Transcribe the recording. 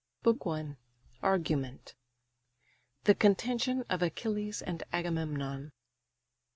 BOOK I. ARGUMENT. THE CONTENTION OF ACHILLES AND AGAMEMNON.